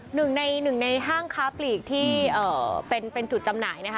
หนึ่งในหนึ่งในห้างค้าปลีกที่เป็นจุดจำหน่ายนะคะ